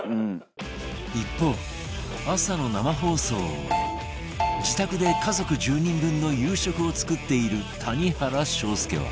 一方朝の生放送を終え自宅で家族１０人分の夕食を作っている谷原章介は